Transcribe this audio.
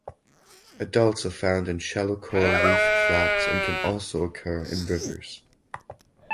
Adults are found in shallow coral reef flats and can also occur in rivers.